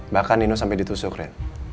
bahkan nino sampe ditusuk ren